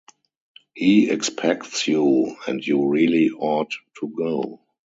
He expects you, and you really ought to go.